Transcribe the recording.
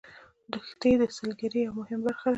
دښتې د سیلګرۍ یوه مهمه برخه ده.